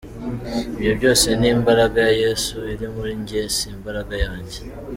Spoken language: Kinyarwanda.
Ibyo byose ni imbaraga ya Yesu iri muri njye si imbaraga yanjye.